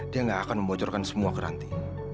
dia gak akan membocorkan semua ke ranti